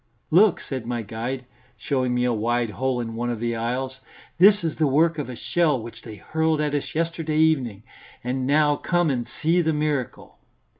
"Look," said my guide, showing me a wide hole in one of the aisles, "this is the work of a shell which they hurled at us yesterday evening. And now come and see the miracle."